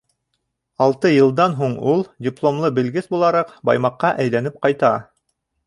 Алты йылдан һуң ул, дипломлы белгес булараҡ, Баймаҡҡа әйләнеп ҡайта.